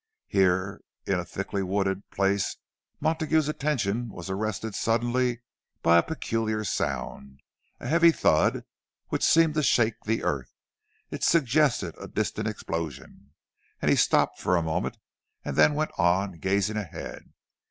Here, in a thickly wooded place, Montague's attention was arrested suddenly by a peculiar sound, a heavy thud, which seemed to shake the earth. It suggested a distant explosion, and he stopped for a moment and then went on, gazing ahead.